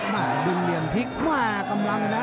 มาดึงเหลี่ยนพลิกมากกำลังนะ